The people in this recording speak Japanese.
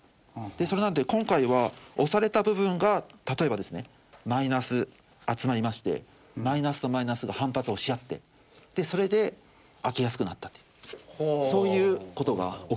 それなので今回は押された部分が例えばですねマイナス集まりましてマイナスとマイナスが反発をし合ってそれで開けやすくなったっていうそういう事が起きております。